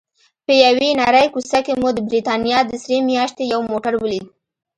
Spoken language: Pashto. په یوې نرۍ کوڅه کې مو د بریتانیا د سرې میاشتې یو موټر ولید.